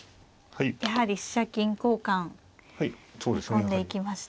やはり飛車金交換踏み込んでいきました。